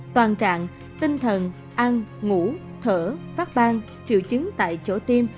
toàn trạng tinh thần ăn ngủ thở phát bang triệu chứng tại chỗ tiêm